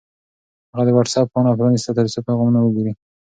هغه د وټس-اپ پاڼه پرانیسته ترڅو پیغامونه وګوري.